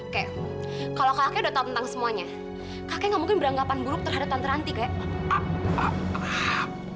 kakek kalau kakek sudah tahu tentang semuanya kakek tidak mungkin beranggapan buruk terhadap tante ranti kakek